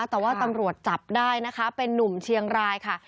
แต่ว่าตำรวจจับได้นะคะเป็นนุ่มเชียงรายค่ะ